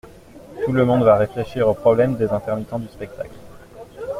Tout le monde va réfléchir au problème des intermittents du spectacle.